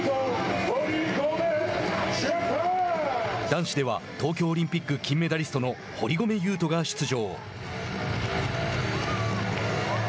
男子では東京オリンピック金メダリストの堀米雄斗が出場。